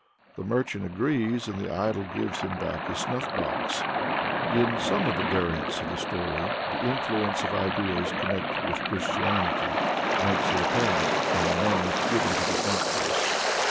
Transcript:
The merchant agrees and the Idol gives him back his snuff box. In some of the variants of the story, the influence of ideas connected with Christianity makes itself apparent in the names given to the actors.